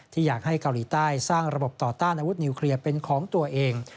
อยากให้เกาหลีใต้สร้างระบบต่อต้านอาวุธนิวเคลียร์เป็นของตัวเอง